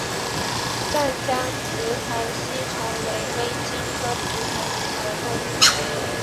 湛江雌盘吸虫为微茎科雌盘属的动物。